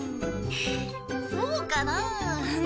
そうかなあ。